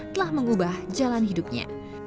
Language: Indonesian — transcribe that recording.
telah mengubah jalan hidupnya